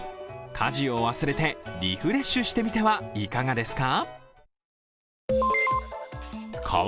家事を忘れてリフレッシュしてみてはいかがですか？